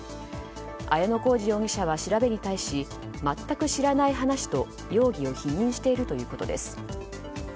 綾乃小路容疑者は調べに対し全く知らない話と、容疑を否認しているということです。